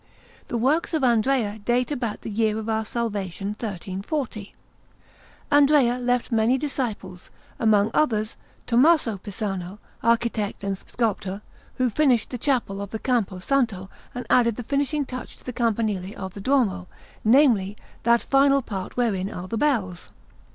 The works of Andrea date about the year of our salvation 1340. Andrea left many disciples; among others, Tommaso Pisano, architect and sculptor, who finished the Chapel of the Campo Santo and added the finishing touch to the Campanile of the Duomo namely, that final part wherein are the bells.